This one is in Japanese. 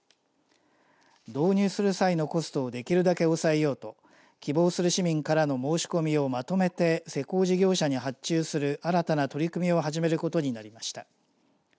導入する際のコストをできるだけ抑えようと希望する市民からの申し込みをまとめて施工事業者に発注する新たな取り組みを始めることになりました。